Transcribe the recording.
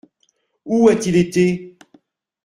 Où a-t-il été ?